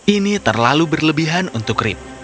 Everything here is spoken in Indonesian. ini terlalu berlebihan untuk rip